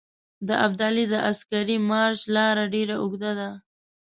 د ابدالي د عسکري مارچ لاره ډېره اوږده ده.